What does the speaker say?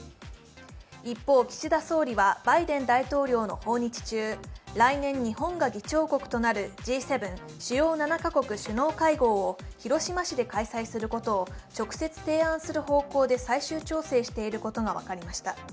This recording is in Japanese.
一方、岸田総理はバイデン大統領の訪日中来年、日本が議長国となるＧ７＝主要７か国首脳会議を広島市で開催することを直接提案する方向で最終調整していることが分かりました。